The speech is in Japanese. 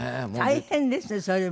大変ですねそれも。